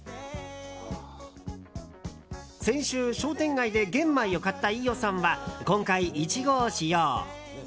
先週、商店街で玄米を買った飯尾さんは今回、１合使用。